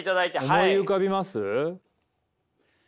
思い浮かびます？